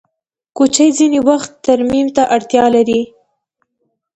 چوکۍ ځینې وخت ترمیم ته اړتیا لري.